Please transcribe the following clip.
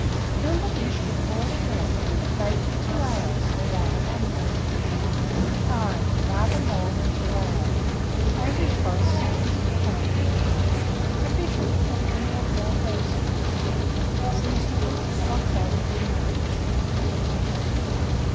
Fill the dish with boiling water, and bake for 2 hours, or rather longer. Time. Rather more than 2 hours. Average cost, 6d. per lb. Sufficient for 3 or 4 persons. Seasonable from October to March.